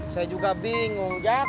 saya juga bingung jack